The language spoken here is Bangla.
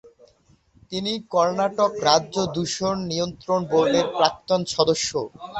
তিনি কর্ণাটক রাজ্য দূষণ নিয়ন্ত্রণ বোর্ডের প্রাক্তন সদস্যও।